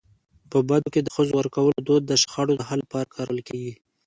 په بدو کي د ښځو ورکولو دود د شخړو د حل لپاره کارول کيږي.